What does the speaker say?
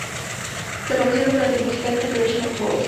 Se conocieron durante el musical "Temptation of Wolves".